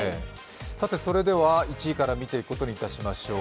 それでは、１位から見ていくことにいたしましょう。